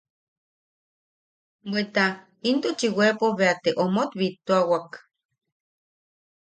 Bweta intuchi weʼepo bea te omot bittuawak.